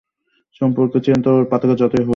সম্পর্ক চিরন্তন, পার্থক্য যতই হোক না কেন।